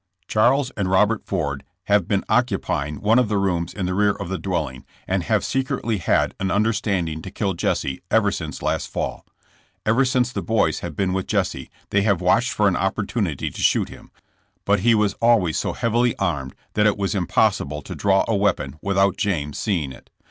Charles and Robert Ford have been occupying one of the rooms in the rear of the dwelling, and have secretly had an understanding to kill Jesse ever since last fall. . Ever since the boys have been with Jesse, they have watched for an opportunity to shoot him, but he was always so heavily armed that it was impossible to draw a weapon without James seeing it.